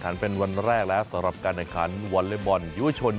เป็นวันแรกแล้วสำหรับการแข่งขันวอเล็กบอลยุวชน